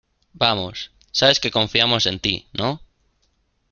vamos... sabes que confiamos en ti, ¿ no?